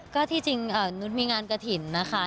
ก็ที่จริงนุฏมีงานกฐินไว้แล้วนะคะ